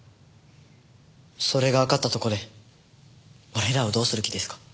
それがわかったところで俺らをどうする気ですか？